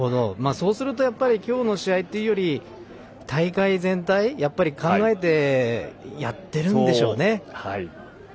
そうすると今日の試合というより大会全体を考えてやってるんでしょうね。